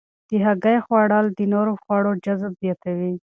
د هګۍ خوړل د نورو خوړو جذب زیاتوي.